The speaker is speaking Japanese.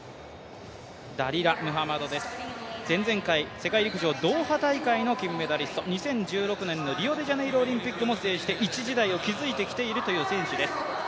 ダリラ・ムハマドです、前々回、世界陸上ドーハ大会の金メダリスト、２０１６年のリオデジャネイロオリンピックも制して一時代を築いてきている選手です。